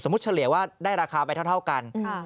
เฉลี่ยว่าได้ราคาไปเท่ากัน